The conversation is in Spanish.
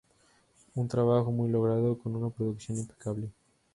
Un trabajo muy logrado, con una producción impecable.